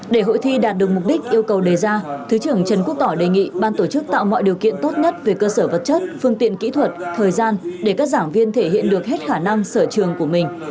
để hội thi đạt được mục đích yêu cầu đề ra thứ trưởng trần quốc tỏ đề nghị ban tổ chức tạo mọi điều kiện tốt nhất về cơ sở vật chất phương tiện kỹ thuật thời gian để các giảng viên thể hiện được hết khả năng sở trường của mình